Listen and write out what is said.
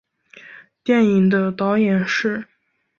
电影的导演是。